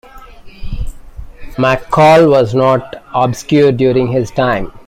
MacColl was not obscure during his time.